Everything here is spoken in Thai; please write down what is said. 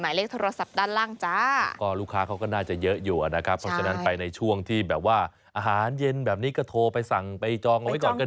เลขโทรศัพท์ด้านล่างจ้าก็ลูกค้าเขาก็น่าจะเยอะอยู่นะครับเพราะฉะนั้นไปในช่วงที่แบบว่าอาหารเย็นแบบนี้ก็โทรไปสั่งไปจองเอาไว้ก่อนก็ได้